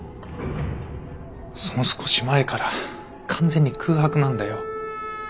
その少し前から完全に空白なんだよ。